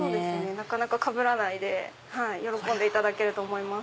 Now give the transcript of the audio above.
なかなかかぶらないで喜んでいただけると思います。